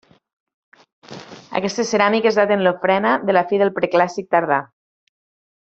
Aquestes ceràmiques daten l'ofrena de la fi del Preclàssic Tardà.